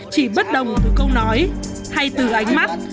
chỉ bất đồng từ câu nói hay từ ánh mắt